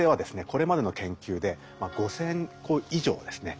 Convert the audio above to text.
これまでの研究で５，０００個以上ですね